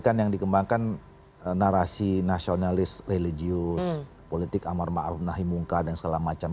kan yang dikembangkan narasi nasionalis religius politik amar ma'ruf nahi mungka dan segala macam